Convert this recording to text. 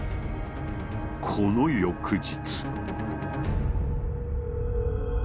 この翌日。